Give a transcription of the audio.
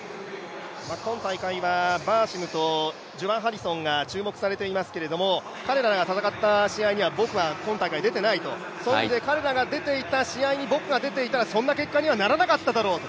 今大会はバーシムと、ジュバーン・ハリソンが注目されていますけど彼らが戦ったこの種目には僕は今大会出ていないと、そういう意味で彼らが出ていた試合に僕が出ていたらそんな結果にはならなかっただろうと。